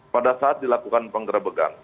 pada saat dilakukan penggera began